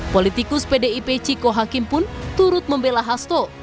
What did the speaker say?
politikus pdip ciko hakim pun turut membela hasto